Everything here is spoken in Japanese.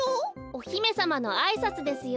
おひめさまのあいさつですよ。